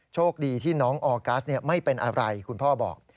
โชคดีที่น้องออกัสไม่เป็นอะไรคุณพ่อบอก